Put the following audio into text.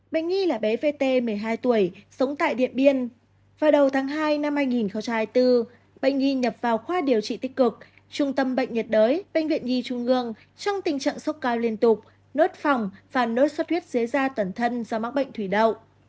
bệnh nhi là bé vt một mươi hai tuổi sống tại điện biên vào đầu tháng hai năm hai nghìn hai mươi bốn bệnh nhi nhập vào khoa điều trị tích cực trung tâm bệnh nhiệt đới bệnh viện nhi trung ương trong tình trạng sốc cao liên tục nốt phòng phản nốt suất huyết dưới da tẩn thân do mắc bệnh thủy đậu